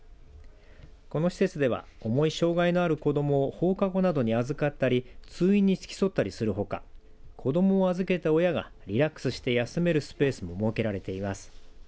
この施設では重い障害のある子どもの放課後などに預かったり通院に付き添ったりするほか子どもを預けた親がリラックスして休めるスペースも設けられています。